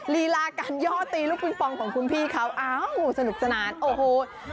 ลีลาการย่อตีลูกปิงปองของคุณพี่เขาอ้าวสนุกสนานโอ้โห